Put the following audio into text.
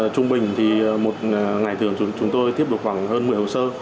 trung bình thì một ngày thường chúng tôi tiếp được khoảng hơn một mươi hồ sơ